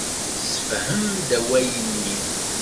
Tessefhem-d awal-nni.